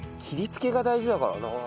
切りつけが大事だからな。